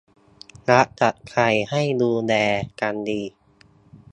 รักกับใครให้ดูแลกันดี